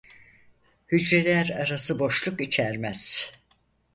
Hücreler arası boşluk içermez.